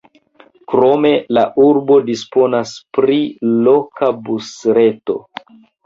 Krome la urbo disponas pri loka busreto.